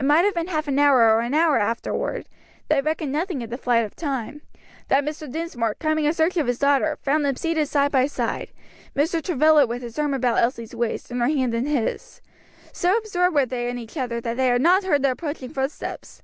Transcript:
It might have been half an hour or an hour afterward (they reckoned nothing of the flight of time) that Mr. Dinsmore, coming in search of his daughter, found them seated side by side, Mr. Travilla with his arm about Elsie's waist, and her hand in his. So absorbed were they in each other that they had not heard the approaching footsteps.